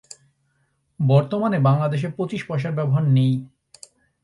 বর্তমানে বাংলাদেশে পঁচিশ পয়সার ব্যবহার নেই।